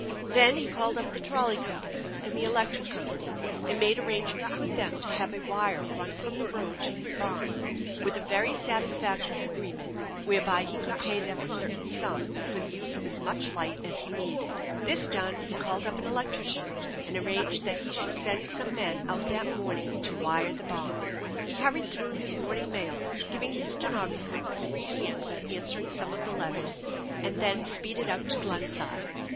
Then he called up the trolley company and the electric company, and made arrangements with them to have a wire run from the road to his barn, with a very satisfactory agreement whereby he could pay them a certain sum for the use of as much light as he needed. This done, he called up an electrician, and arranged that he should send some men out that morning to wire the barn. He hurried through his morning mail, giving his ste nographer a free hand with answering some of the letters, and then speeded out to Glenside.